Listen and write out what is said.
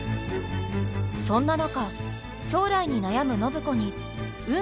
そんな中将来に悩む暢子に何？